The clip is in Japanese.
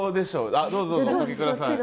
あっどうぞどうぞお掛け下さい。